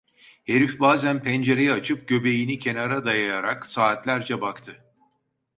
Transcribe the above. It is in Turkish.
Herif bazen pencereyi açıp göbeğini kenara dayayarak saatlerce baktı.